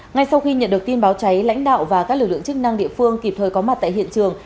ngay sau khi nhận được tin báo cháy lãnh đạo và các lực lượng chức năng địa phương kịp thời có mặt tại hiện trường